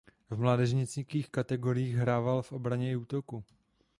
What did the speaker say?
V mládežnických kategoriích hrával v obraně i útoku.